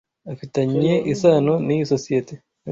Afitanye isano niyi sosiyete.